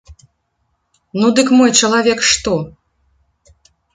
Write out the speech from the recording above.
Ну дык мой чалавек што?